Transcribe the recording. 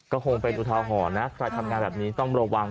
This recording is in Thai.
ก็คงเป็นอุทาหรณ์นะใครทำงานแบบนี้ต้องระวัง